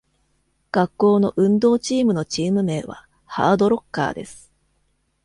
学校の運動チームのチーム名は「ハードロッカー」です。